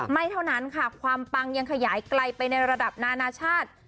เท่านั้นค่ะความปังยังขยายไกลไปในระดับนานาชาติ